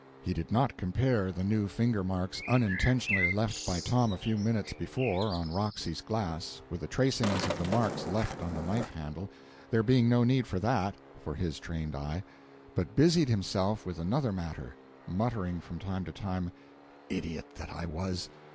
He did not compare the new finger marks unintentionally left by Tom a few minutes before on Roxy's glass with the tracings of the marks left on the knife handle, there being no need for that (for his trained eye), but busied himself with another matter, muttering from time to time, "Idiot that I was!